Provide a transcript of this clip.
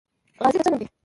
غازی د څه نوم دی؟